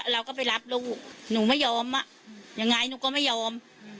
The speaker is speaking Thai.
เราก็ไปรับลูกหนูไม่ยอมยังไงหนูก็ไม่ยอม